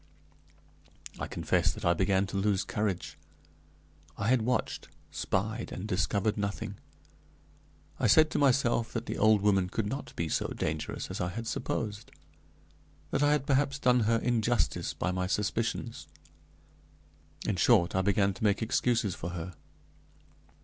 I confess that I began to lose courage I had watched, spied, and discovered nothing. I said to myself that the old woman could not be so dangerous as I had supposed; that I had perhaps done her injustice by my suspicions; in short, I began to make excuses for her.